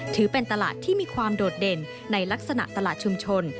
ถือเป็นตลาดที่มีความโดดเด่นในลักษณะตลาดชุมชน